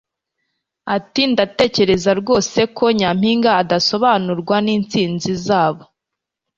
Ati: "Ndatekereza rwose ko nyampinga adasobanurwa n'intsinzi zabo